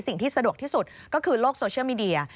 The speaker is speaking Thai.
สิ่งที่สะดวกที่สุดก็คือโลกโซเชียลมีเดีย